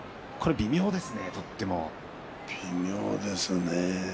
微妙ですね。